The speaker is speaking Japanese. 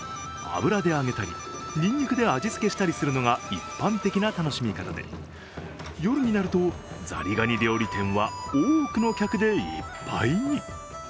油で揚げたりにんにくで味付けしたりするのが一般的な楽しみ方で夜になるとザリガニ料理店は多くの客でいっぱいに。